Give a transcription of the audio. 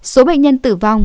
số bệnh nhân tử vong